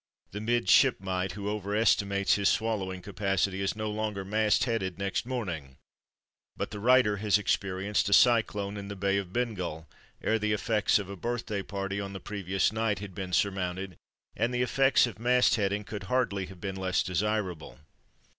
The midshipmite who over estimates his swallowing capacity is no longer "mast headed" next morning; but the writer has experienced a cyclone in the Bay of Bengal, ere the effects of a birthday party on the previous night had been surmounted; and the effects of "mast heading" could hardly have been less desirable.